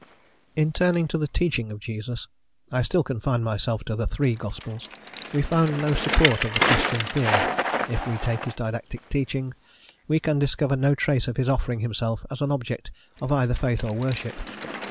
In turning to the teaching of Jesus (I still confine myself to the three gospels), we find no support of the Christian theory. If we take his didactic teaching, we can discover no trace of his offering himself as an object of either faith or worship.